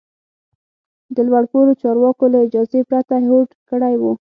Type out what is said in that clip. د لوړ پوړو چارواکو له اجازې پرته هوډ کړی و.